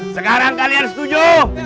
sekarang kalian setuju